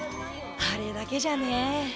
あれだけじゃね。